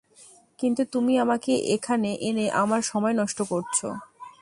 কিন্তু তুমি আমাকে এখানে এনে আমার সময় নষ্ট করছো।